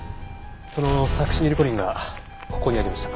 そのサクシニルコリンがここにありました。